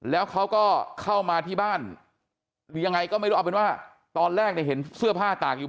แล้วเขาก็เข้ามาที่บ้านหรือยังไงก็ไม่รู้เอาเป็นว่าตอนแรกเนี่ยเห็นเสื้อผ้าตากอยู่